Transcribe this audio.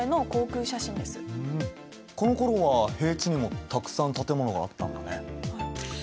このころは平地にもたくさん建物があったんだね。